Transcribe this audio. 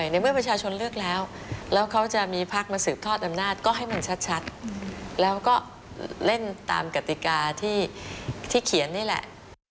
ในเมื่อประชาชนเลือกแล้วแล้วเขาจะมีพักมาสืบทอดอำนาจก็ให้มันชัดแล้วก็เล่นตามกติกาที่เขียนนี่แหละ